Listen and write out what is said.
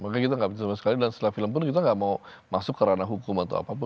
maka kita gak bisa sama sekali dan setelah film pun kita gak mau masuk kerana hukum atau apapun